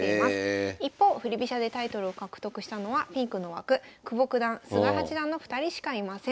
一方振り飛車でタイトルを獲得したのはピンクの枠久保九段菅井八段の２人しかいません。